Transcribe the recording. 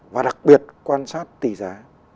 và đặc biệt quan sát tỷ giá